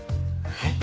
はい？